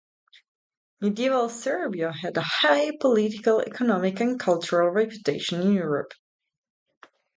Medieval Serbia had a high political, economic, and cultural reputation in Europe.